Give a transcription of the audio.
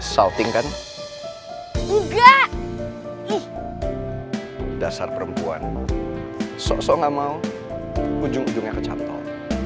salting kan enggak dasar perempuan sok sok nggak mau ujung ujungnya kecatol